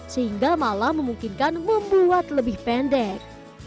sehingga malah memungkinkan membuat lebih pendek